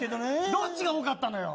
どっちが多かったのよ。